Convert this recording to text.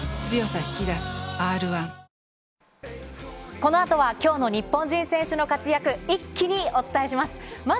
この後は今日の日本人選手の活躍を一気にお伝えします。